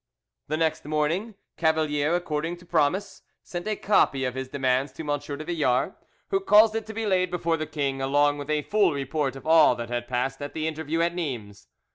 The next morning, Cavalier, according to promise, sent a copy of his demands to M. de Villars, who caused it to be laid before the king, along with a full report of all that had passed at the interview at Nimes.